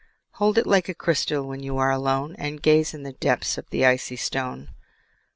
Hold it like a crystal When you are alone And gaze in the depths of the icy stone.